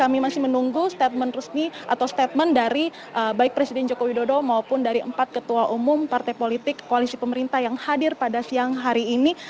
kami masih menunggu statement resmi atau statement dari baik presiden joko widodo maupun dari empat ketua umum partai politik koalisi pemerintah yang hadir pada siang hari ini